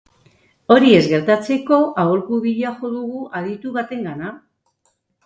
Hori ez gertatzeko aholku bila jo dugu aditu batengana.